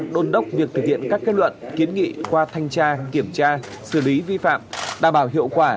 đôn đốc việc thực hiện các kết luận kiến nghị qua thanh tra kiểm tra xử lý vi phạm đảm bảo hiệu quả